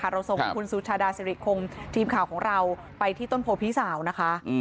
เราส่งคุณสุชาดาสิริคงทีมข่าวของเราไปที่ต้นโพพี่สาวนะคะ